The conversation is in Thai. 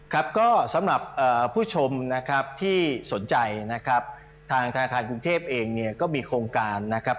ครับก็สำหรับผู้ชมนะครับที่สนใจนะครับทางธนาคารกรุงเทพเองเนี่ยก็มีโครงการนะครับ